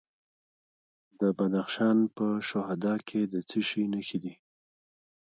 د بدخشان په شهدا کې د څه شي نښې دي؟